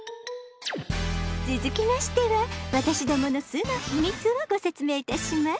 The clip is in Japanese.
続きましては私どもの巣の秘密をご説明いたします。